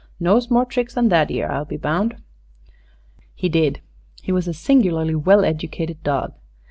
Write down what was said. Knows more tricks than that 'ere, I'll be bound." He did. He was a singularly well educated dog.